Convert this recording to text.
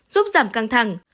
giúp giảm căng thẳng